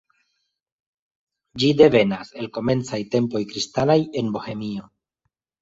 Ĝi devenas el komencaj tempoj kristanaj en Bohemio.